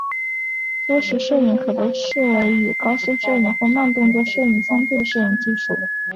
缩时摄影可被视为与高速摄影或慢动作摄影相对的摄影技术。